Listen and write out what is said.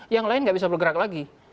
yang lain nggak bisa bergerak lagi